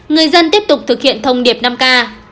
người dân tiếp tục thực hiện thông điệp năm k